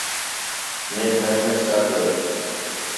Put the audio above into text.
میک ہیلمٹ چا ݙے